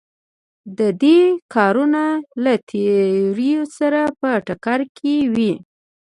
د دوی کارونه له تیورۍ سره په ټکر کې وو.